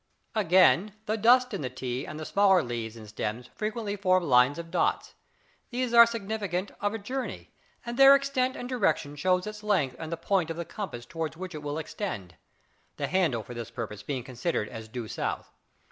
Again, the dust in the tea and the smaller leaves and stems frequently form lines of dots. These are significant of a journey, and their extent and direction shows its length and the point of the compass towards which it will extend: the handle for this purpose being considered as due south.